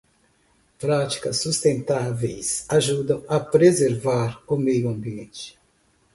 Práticas sustentáveis ajudam a preservar o meio ambiente.